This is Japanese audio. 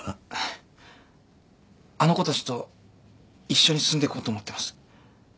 あの子たちと一緒に住んでこうと思ってます。